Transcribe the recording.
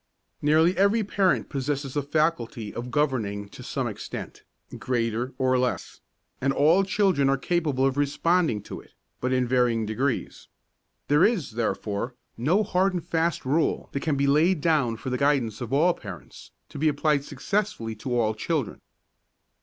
Nearly every parent possesses the faculty of governing to some extent greater or less; and all children are capable of responding to it but in varying degrees. There is, therefore, no hard and fast rule that can be laid down for the guidance of all parents, to be applied successfully to all children.